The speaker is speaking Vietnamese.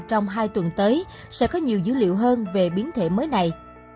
trong hai tuần tới sẽ có nhiều dữ liệu hơn về biến thể mới này